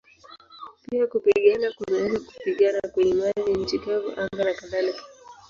Pia kupigana kunaweza kupigana kwenye maji, nchi kavu, anga nakadhalika.